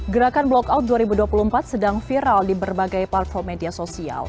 gerakan blok out dua ribu dua puluh empat sedang viral di berbagai platform media sosial